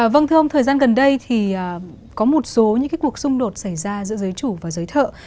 vâng thưa ông thời gian gần đây thì có một số những cuộc xung đột xảy ra giữa giới chủ và giới thiệu